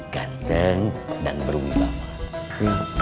ganteng dan berubah